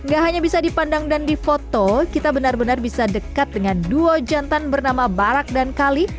gak hanya bisa dipandang dan difoto kita benar benar bisa dekat dengan duo jantan bernama barak dan kali